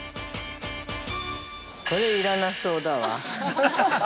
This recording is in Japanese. ◆これ、要らなそうだわ。